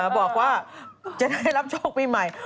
บอกว่าจะได้รับโชคปีใหม่